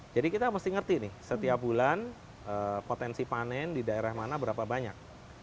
jadi kita mesti ngerti nih setiap bulan potensi panen di daerah mana berapa banyak